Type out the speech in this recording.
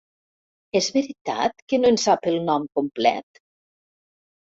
És veritat que no en sap el nom complet?